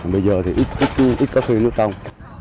bây giờ thì ít có khi nước trong